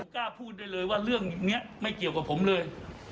กล้าพูดได้เลยว่าเรื่องนี้ไม่เกี่ยวกับผมเลย